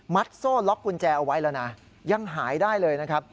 โซ่ล็อกกุญแจเอาไว้แล้วนะยังหายได้เลยนะครับ